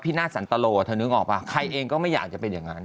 นาทสันตโลเธอนึกออกป่ะใครเองก็ไม่อยากจะเป็นอย่างนั้น